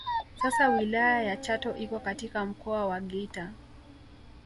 Sasa wilaya ya Chato iko katika Mkoa wa Geita